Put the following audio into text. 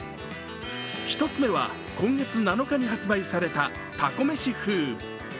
１つ目は今月７日に発売されたたこめし風。